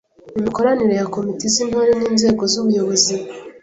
Imikoranire ya komite z’Intore n’inzego z’ubuyobozi